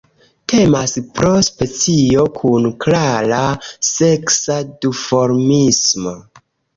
Temas pro specio kun klara seksa duformismo.